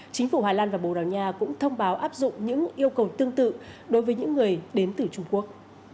chính phủ hà lan và bồ đào nha cũng thông báo áp dụng những yêu cầu tương tự đối với những người đến từ trung quốc